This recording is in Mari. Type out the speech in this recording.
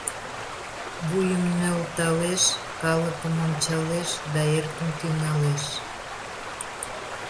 Вуйым нӧлталеш, калыкым ончалеш да эркын тӱҥалеш: